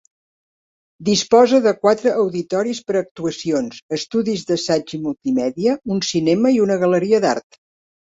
Disposa de quatre auditoris per a actuacions, estudis d'assaig i multimèdia, un cinema i una galeria d'art.